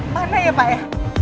pandai ya pak ya